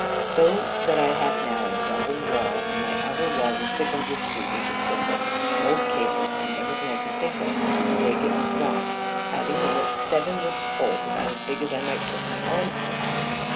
So that I had now a double wall; and my outer wall was thickened with pieces of timber, old cables, and everything I could think of, to make it strong; having in it seven little holes, about as big as I might put my arm out at.